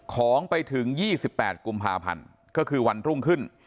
ของไปถึง๒๘กุมภาพันธ์ก็คือวันรุ่งขึ้น